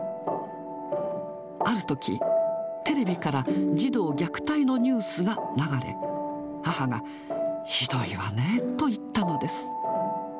ある時、テレビから児童虐待のニュースが流れ、母が、ひどいわねと言ったのです。